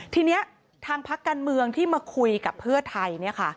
ทีนี้ทางพักการเมืองที่มาคุยกับเพื่อไทย